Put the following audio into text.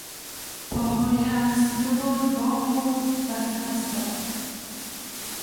پاهای اسب دوبار وا خورد و سپس مرد.